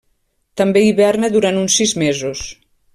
També hiberna durant uns sis mesos.